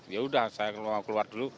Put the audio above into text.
yaudah saya keluar dulu